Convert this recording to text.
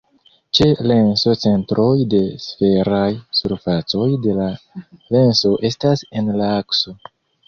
Ĉe lenso centroj de sferaj surfacoj de la lenso estas en la akso.